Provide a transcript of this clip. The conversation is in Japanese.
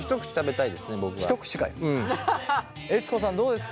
悦子さんどうですか？